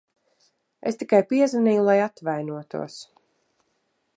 Es tikai piezvanīju, lai atvainotos.